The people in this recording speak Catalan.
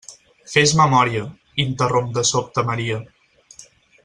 Fes memòria —interromp de sobte Maria—.